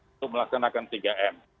untuk melaksanakan tiga m